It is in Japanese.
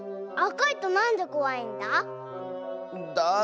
あかいとなんでこわいんだ？